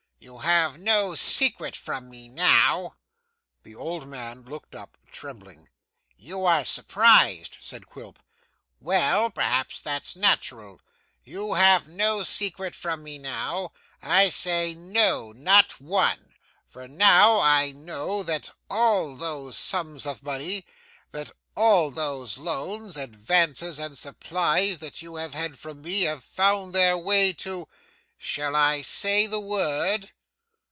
You have no secret from me now.' The old man looked up, trembling. 'You are surprised,' said Quilp. 'Well, perhaps that's natural. You have no secret from me now, I say; no, not one. For now, I know, that all those sums of money, that all those loans, advances, and supplies that you have had from me, have found their way to shall I say the word?